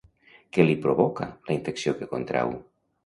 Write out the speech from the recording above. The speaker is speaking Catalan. Què li provoca la infecció que contrau?